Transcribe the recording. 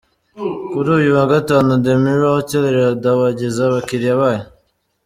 Kuri uyu wa Gatanu The Mirror Hotel iradabagiza abakiriya bayo.